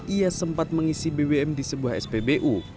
ia sempat mengisi bbm di sebuah spbu